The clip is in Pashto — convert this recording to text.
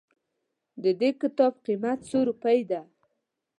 ددي کتاب قيمت څو روپئ ده